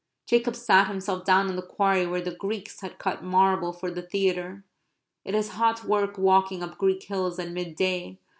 Jacob sat himself down in the quarry where the Greeks had cut marble for the theatre. It is hot work walking up Greek hills at midday.